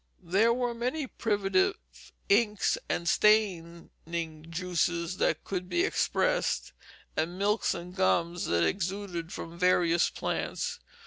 There were many primitive inks and staining juices that could be expressed, and milks and gums that exuded, from various plants.